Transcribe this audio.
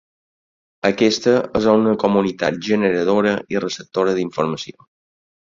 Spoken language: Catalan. Aquesta és una comunitat generadora i receptora d’informació.